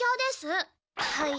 はい。